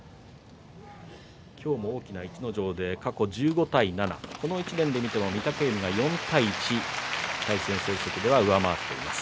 今日も大きな逸ノ城で過去１５対７とこの１年で見ても御嶽海が４対１、対戦成績では上回っています。